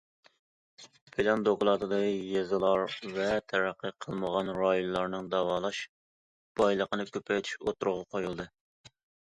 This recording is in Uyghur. پىلان دوكلاتىدا يېزىلار ۋە تەرەققىي قىلمىغان رايونلارنىڭ داۋالاش بايلىقىنى كۆپەيتىش ئوتتۇرىغا قويۇلدى.